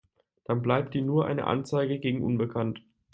Dann bleibt ihm nur eine Anzeige gegen unbekannt.